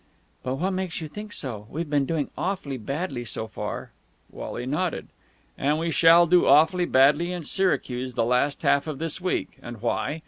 "But what makes you think so? We've been doing awfully badly so far." Wally nodded. "And we shall do awfully badly in Syracuse the last half of this week. And why?